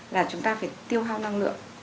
là chúng ta phải tiêu hóa năng lượng